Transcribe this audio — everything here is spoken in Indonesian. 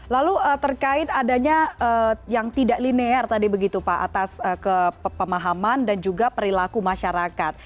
lalu terkait adanya yang tidak linear tadi begitu pak atas kepemahaman dan juga perilaku masyarakat